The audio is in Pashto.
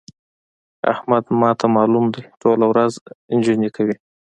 احمد ما ته مالوم دی؛ ټوله ورځ نجونې کوي.